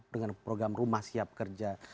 dengan program rumah siap kerja